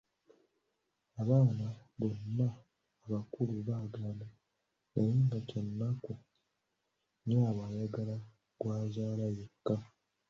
Abaana bano baakula baagaalana naye nga eky’ennaku nnyaabwe ayagala gw’azaala yekka!